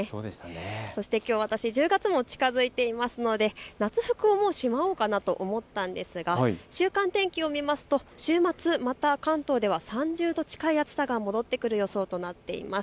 そして、きょう私、１０月も近づいていますので夏服をもうしまおうかなと思ったんですが週間天気を見ますと週末また関東では３０度近い暑さが戻ってくる予想となっています。